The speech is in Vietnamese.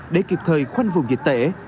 để kịp thời khoanh vùng dịch tễ